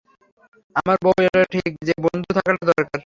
আমার বউ এটা ঠিক যে বন্ধু থাকাটা দরকার।